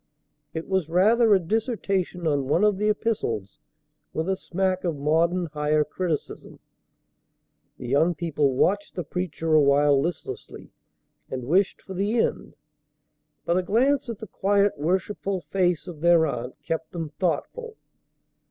It was rather a dissertation on one of the epistles with a smack of modern higher criticism. The young people watched the preacher a while listlessly, and wished for the end; but a glance at the quiet, worshipful face of their aunt kept them thoughtful.